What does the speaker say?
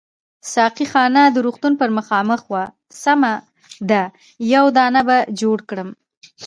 ساقي خانه د روغتون پر مخامخ وه، سمه ده یو دانه به جوړ کړم.